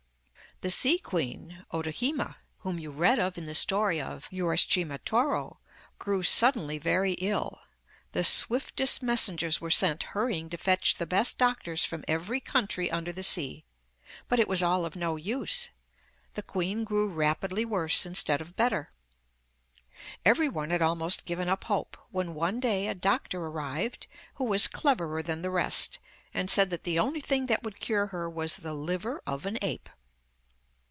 The sea queen Otohime, whom you read of in the story of Uraschimatoro, grew suddenly very ill. The swiftest messengers were sent hurrying to fetch the best doctors from every country under the sea, but it was all of no use; the queen grew rapidly worse instead of better. Everyone had almost given up hope, when one day a doctor arrived who was cleverer than the rest, and said that the only thing that would cure her was the liver of an ape.